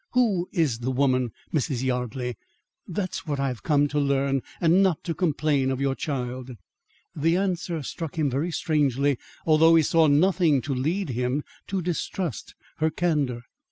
"Who is the woman, Mrs. Yardley? That's what I have come to learn, and not to complain of your child." The answer struck him very strangely, though he saw nothing to lead him to distrust her candour.